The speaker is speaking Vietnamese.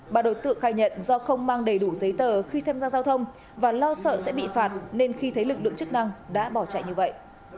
bà đối tượng khai nhận do không mang đầy đủ giấy tờ khi tham gia giao thông và lo sợ sẽ bị phạt nên khi thấy lực lượng chức năng đã bỏ chạy như vậy